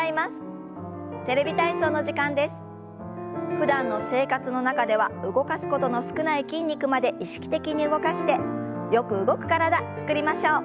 ふだんの生活の中では動かすことの少ない筋肉まで意識的に動かしてよく動く体つくりましょう。